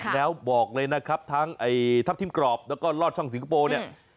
แล้วบอกเลยนะครับทั้งทัพทิมกรอบแล้วก็ลอดช่องสิงคโปร์เนี่ย